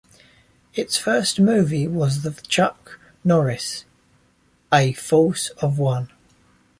Its first movie was the Chuck Norris', "A Force of One".